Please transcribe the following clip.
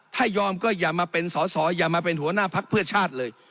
ถ้ายอมก็อย่ามาเป็นสอสออย่ามาเป็นหัวหน้าพักเพื่อชาติเลย